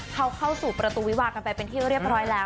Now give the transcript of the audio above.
เขาเข้าสู่ประตูวิวากันไปเป็นที่เรียบร้อยแล้ว